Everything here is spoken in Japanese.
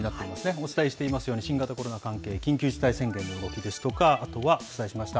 お伝えしていますように、新型コロナ関係、緊急事態宣言の動きですとか、あとはお伝えしました